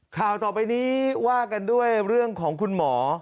ข่าวต่อไปนี้ว่ากันด้วยเรื่องของคุณหมอ